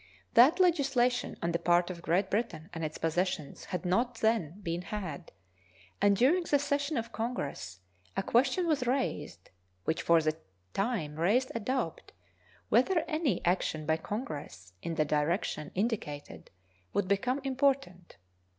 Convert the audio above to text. That legislation on the part of Great Britain and its possessions had not then been had, and during the session of Congress a question was raised which for the time raised a doubt whether any action by Congress in the direction indicated would become important.